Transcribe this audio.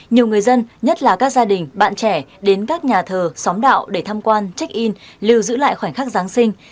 nhiều người dân nhất là các gia đình bạn trẻ đến các nhà thờ xóm đạo để tham quan check in lưu giữ lại khoảnh khắc giáng sinh